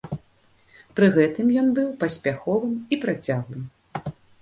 Пры гэтым ён быў паспяховым і працяглым.